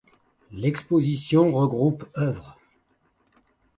L'exposition regroupe œuvres.